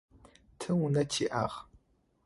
Тэ унэ тиӏагъ.